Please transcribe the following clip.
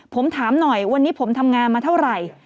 ผมถามหน่อยวันนี้ผมทำงานมาเท่าไหร่